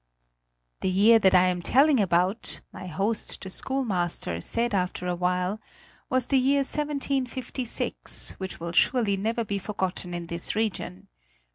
The year that I am telling about, my host, the schoolmaster, said after a while, was the year 1756, which will surely never be forgotten in this region.